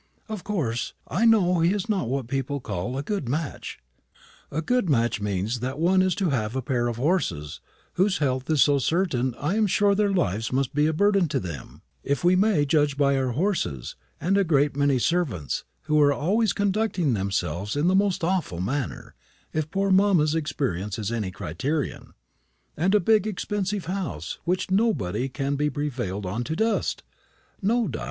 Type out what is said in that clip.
Of course, I know he is not what people call a good match. A good match means that one is to have a pair of horses, whose health is so uncertain that I am sure their lives must be a burden to them, if we may judge by our horses; and a great many servants, who are always conducting themselves in the most awful manner, if poor mamma's experience is any criterion; and a big expensive house, which nobody can be prevailed on to dust. No, Di!